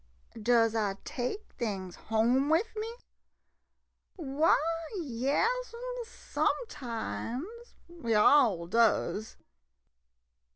.. Does I take things home wif me? Why, yas 'm — sometimes — we all does.